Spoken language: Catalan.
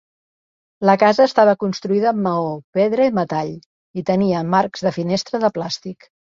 La casa estava construïda amb maó, pedra i metall, i tenia marcs de finestra de plàstic.